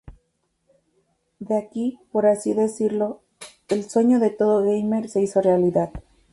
De aquí por así decirlo, el sueño de todo Gamer se hizo realidad.